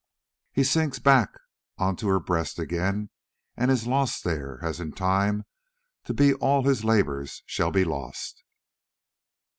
He sinks back on to her breast again and is lost there as in time to be all his labours shall be lost.